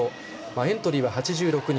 エントリーは８６人。